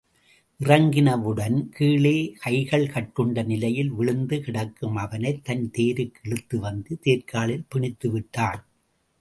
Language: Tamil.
இறங்கினவுடன் கீழே கைகள் கட்டுண்ட நிலையில் விழுந்து கிடக்கும் அவனைத் தன் தேருக்கு இழுத்து வந்து தேர்க்காலில் பிணித்துவிட்டான்.